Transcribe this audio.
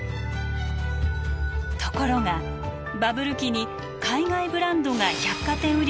ところがバブル期に海外ブランドが百貨店売り場を席巻。